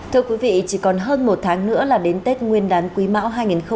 thưa quý vị chỉ còn hơn một tháng nữa là đến tết nguyên đán quý mão hai nghìn hai mươi bốn